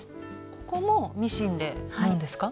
ここもミシンで縫うんですか？